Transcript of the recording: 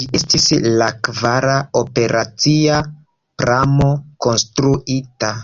Ĝi estis la kvara operacia pramo konstruita.